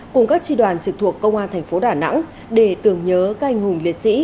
cùng các tri đoàn trực thuộc công an thành phố đà nẵng để tưởng nhớ các anh hùng liệt sĩ